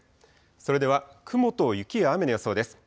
それでは雲と雪や雨の予想です。